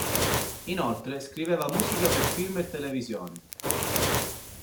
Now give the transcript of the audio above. Inoltre scriveva musica per film e televisione.